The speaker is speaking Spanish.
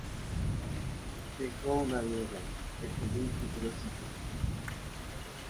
Dejó una viuda, Jacqueline, y tres hijos.